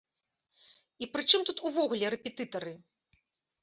І пры чым тут увогуле рэпетытары?